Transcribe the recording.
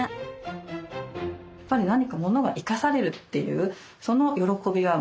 やっぱり何か物が生かされるっていうその喜びはものすごくあります。